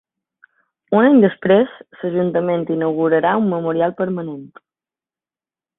Un any després, l’ajuntament inaugurarà un memorial permanent.